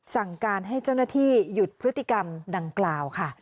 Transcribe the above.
สั่งการให้เจ้าหน้าที่หยุดพฤติกรรมดังกล่าวค่ะ